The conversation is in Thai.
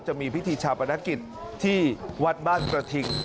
จะมีพิธีชาปนกิจที่วัดบ้านกระทิง